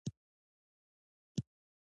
آیا د کور پاکولو شرکتونه شته؟